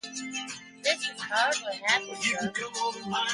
This was hardly happy stuff.